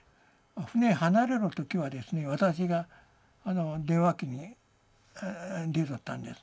船離れる時は私が電話機に出とったんです。